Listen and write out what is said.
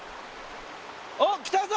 おっ来たぞ！